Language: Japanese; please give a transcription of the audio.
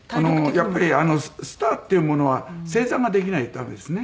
やっぱりスターっていうものは「せいざ」ができないと駄目ですね。